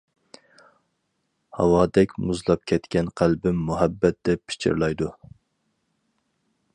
ھاۋادەك مۇزلاپ كەتكەن قەلبىم مۇھەببەت دەپ پىچىرلايدۇ.